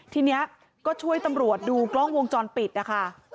ทีนี้ก็ช่วยตำรวจดูกล้องวงจรปิดนะคะ